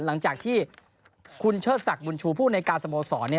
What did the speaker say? หลังจากที่คุณเชิดศักดิบุญชูผู้ในการสโมสร